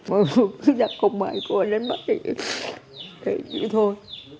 mà không ai cô lên mắt thì thôi